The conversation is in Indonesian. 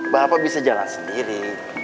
bapak bisa jalan sendiri